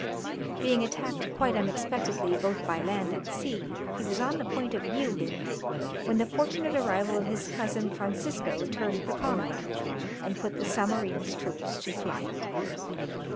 Being attacked quite unexpectedly both by land and sea, he was on the point of yielding when the fortunate arrival of his cousin Francisco turned the combat, and put the Zamorin's troops to flight.